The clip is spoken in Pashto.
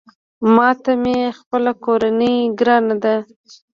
ماته مې خپله کورنۍ ګرانه ده